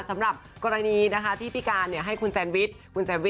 สำหรับกรณีนะคะที่พี่กานให้คุณแซนวิส